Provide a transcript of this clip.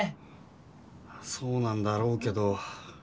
まあそうなんだろうけど。